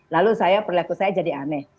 lalu saya perilaku saya jadi aneh